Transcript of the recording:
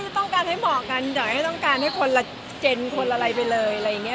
ใช่ต้องการให้เหมาะกันอย่างให้ต้องการให้คนละเจนคนละอะไรไปเลย